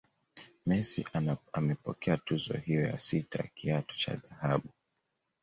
Messi amepokea tuzo hiyo ya sita ya kiatu cha dhahabu